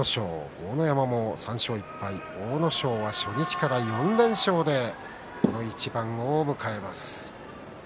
豪ノ山も３勝１敗と阿武咲は初日から４連勝でこの一番を迎えます。